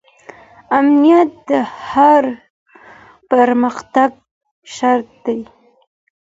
امنیت د هر پرمختګ شرط دی.